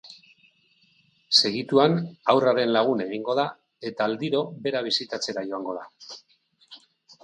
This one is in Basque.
Segituan haurraren lagun egingo da eta aldiro bera bisitatzera joango da.